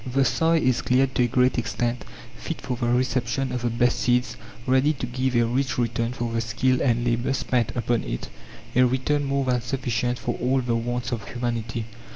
The soil is cleared to a great extent, fit for the reception of the best seeds, ready to give a rich return for the skill and labour spent upon it a return more than sufficient for all the wants of humanity.